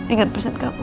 ingat pesan kamu